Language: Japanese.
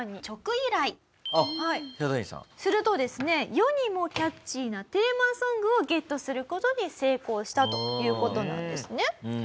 世にもキャッチーなテーマソングをゲットする事に成功したという事なんですね。